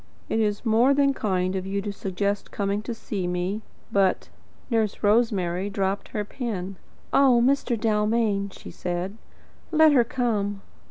"It is more than kind of you to suggest coming to see me, but " Nurse Rosemary dropped her pen. "Oh, Mr. Dalmain," she said, "let her come."